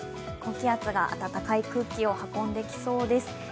高気圧が暖かい空気を運んできそうです。